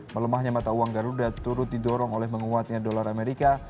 melemahnya mata uang garuda turut didorong oleh menguatnya dolar amerika